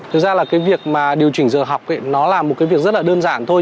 thực ra là cái việc mà điều chỉnh giờ học nó là một cái việc rất là đơn giản thôi